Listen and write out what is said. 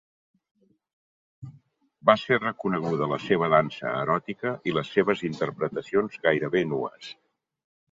Va ser reconeguda la seva dansa eròtica i les seves interpretacions gairebé nues.